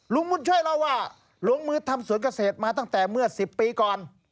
ลุงบุญช่วยเล่าว่าลงมือทำสวนเกษตรมาตั้งแต่เมื่อ๑๐ปีก่อน